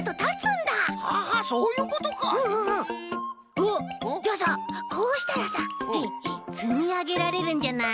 あっじゃあさこうしたらさつみあげられるんじゃない？